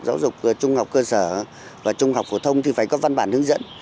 giáo dục trung học cơ sở và trung học phổ thông thì phải có văn bản hướng dẫn